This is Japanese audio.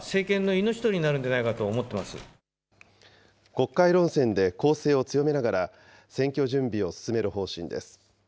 国会論戦で攻勢を強めながら、選挙準備を進める方針です。